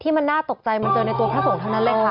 มันน่าตกใจมันเจอในตัวพระสงฆ์ทั้งนั้นเลยค่ะ